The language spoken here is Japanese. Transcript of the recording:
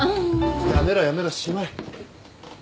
やめろやめろしまえ。